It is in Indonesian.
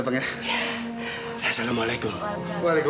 mas apa tidak cukup